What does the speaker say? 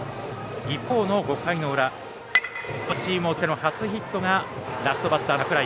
一方の５回の裏両チームを通じての初ヒットがラストバッターの櫻井。